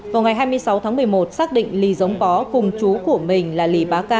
vào ngày hai mươi sáu tháng một mươi một xác định lì giống pó cùng chú của mình là lì